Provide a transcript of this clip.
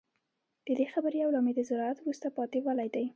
د دې خبرې یو لامل د زراعت وروسته پاتې والی دی